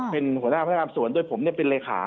เป็นหัวหน้าภังงานสับสวนโดยเป็นเลขา